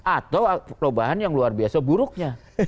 atau perubahan yang luar biasa buruknya